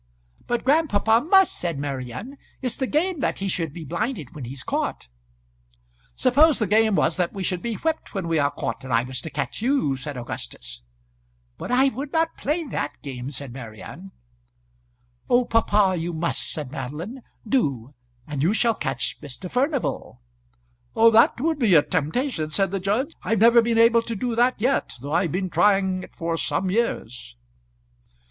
"But grandpapa must," said Marian. "It's the game that he should be blinded when he's caught." "Suppose the game was that we should be whipped when we are caught, and I was to catch you," said Augustus. "But I would not play that game," said Marian. "Oh, papa, you must," said Madeline. "Do and you shall catch Mr. Furnival." "That would be a temptation," said the judge. "I've never been able to do that yet, though I've been trying it for some years."